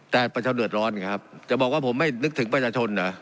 แต่ประชาชนเดือดร้อนไงครับจะบอกว่าผมไม่นึกถึงประชาชนเหรอ